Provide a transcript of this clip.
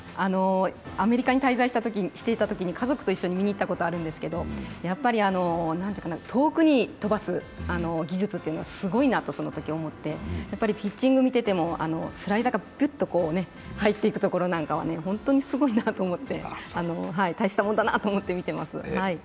アメリカに滞在していたときに家族と一緒に見に行ったことがあるんですけどやっぱり遠くに飛ばす技術というのはすごいなとそのときに思ってピッチングを見てても、スライダーがビュッと入っていくところは本当にすごいなと思って大したもんだなと思って見てます。